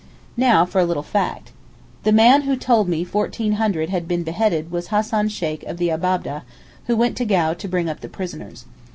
Now for a little fact. The man who told me fourteen hundred had been beheaded was Hassan Sheykh of the Abab'deh who went to Gau to bring up the prisoners.